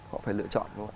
họ phải lựa chọn